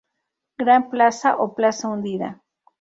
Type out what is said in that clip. Gran Plaza o Plaza Hundida.